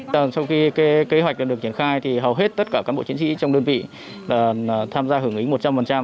trong khi kế hoạch được triển khai hầu hết tất cả cán bộ chiến sĩ trong đơn vị tham gia hưởng ứng một trăm linh